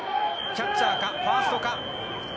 キャッチャーかファーストか。